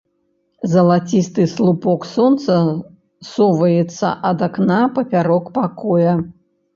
Залацісты слупок сонца соваецца ад акна папярок пакоя.